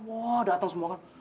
oh dateng semua kan